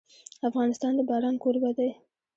افغانستان د باران کوربه دی.